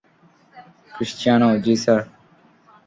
Christiana, - জি, sir.